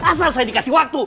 asal saya dikasih waktu